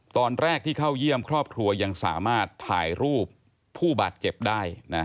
ตอนแรกที่เข้าเยี่ยมครอบครัวยังสามารถถ่ายรูปผู้บาดเจ็บได้